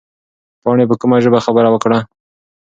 پاڼې په کومه ژبه خبره وکړه؟